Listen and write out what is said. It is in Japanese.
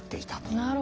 なるほど。